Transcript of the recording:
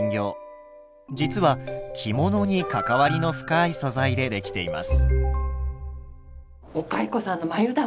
実は着物に関わりの深い素材で出来ています。